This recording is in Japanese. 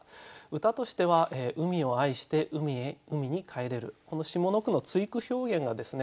歌としては「海を愛して海に帰れる」この下の句の対句表現がですね